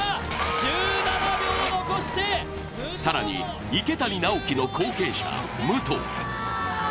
１７秒残して更に、池谷直樹の後継者武藤。